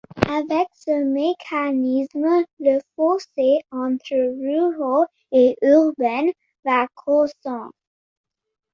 Avec ce mécanisme, le fossé entre ruraux et urbains va croissant.